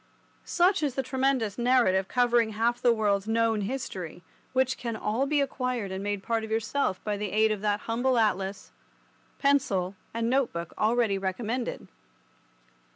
Such is the tremendous narrative covering half the world's known history, which can all be acquired and made part of yourself by the aid of that humble atlas, pencil, and note book already recommended.